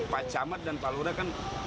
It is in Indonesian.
pak camat dan pak lura kan